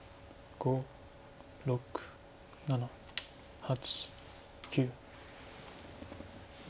５６７８。